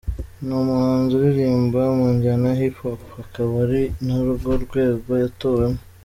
Ni umuhanzi uririmba mu njyana ya Hip Hop akaba ari narwo rwego yatowemo.